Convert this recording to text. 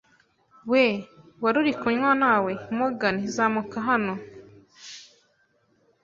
we? Wari uri kunywa nawe, Morgan? Zamuka hano. ”